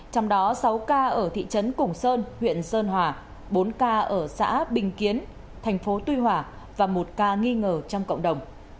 trong đó sáu ca ở thị trấn củng sơn huyện sơn hòa bốn ca ở xã bình kiến thành phố tuy hòa và một ca nghi ngờ trong cộng đồng